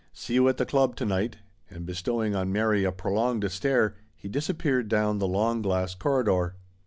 See you at the club to night," and, bestowing on Mary a prolonged stare, he disappeared down the long glass corridor.